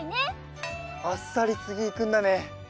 あっさりつぎいくんだね。